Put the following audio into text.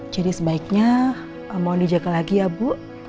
jadi sebaiknya mau dijaga lagi ya bu